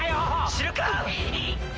⁉知るか！